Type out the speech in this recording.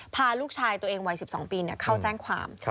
พาลูกชายตัวเองวัย๑๒ปีเข้าแจ้งความ